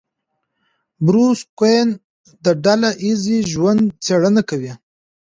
بروس کوئن د ډله ایز ژوند څېړنه کوي.